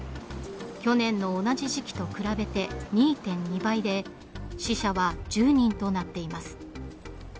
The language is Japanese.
去年の同じ時期と比べて２．２倍で死者は１０人となっています。